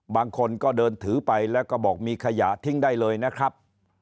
บางคนก็เดินถือไปแล้วก็บอกมีขยะทิ้งได้เลยนะครับ